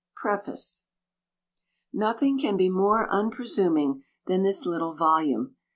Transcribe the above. PREFACE, Nothing can be more unpresuming than this little volume.